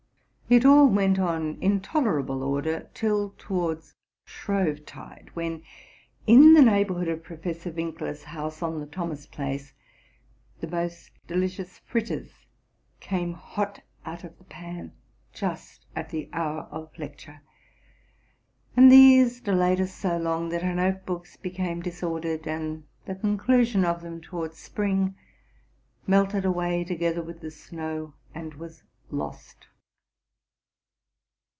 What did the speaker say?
Yet all went on in tolerable order till towards Shrovetide, when, in the neighborhood of Professor Winkler's house on the Thomas Place, the most delicious fritters came hot out of the pan just at the hour of lecture : and these delayed us so long, that our note books became disordered; and the conelusion of them, towards spring, melted away, together with the snow, and was lost.